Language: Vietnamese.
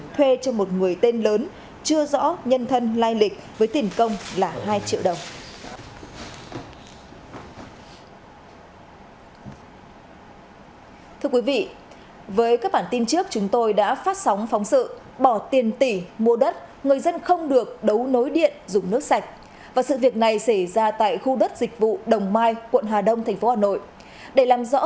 thuê cho một người tên lớn chưa rõ nhân thân lai lịch với tiền công là hai triệu đồng